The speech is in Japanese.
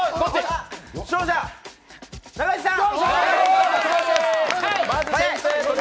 勝者、中西さん。